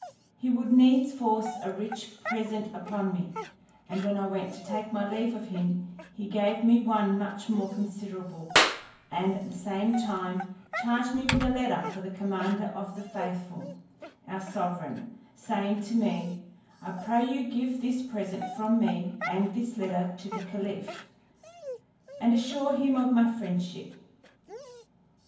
He would needs force a rich present upon me; and when I went to take my leave of him, he gave me one much more considerable, and at the same time charged me with a letter for the commander of the faithful, our sovereign, saying to me, "I pray you give this present from me, and this letter to the caliph, and assure him of my friendship."